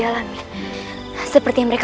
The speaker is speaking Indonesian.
siapa yang bisa membantu mereka